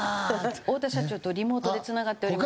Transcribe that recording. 太田社長とリモートでつながっております。